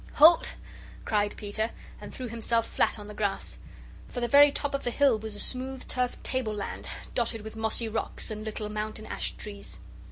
"Halt!" cried Peter, and threw himself flat on the grass. For the very top of the hill was a smooth, turfed table land, dotted with mossy rocks and little mountain ash trees.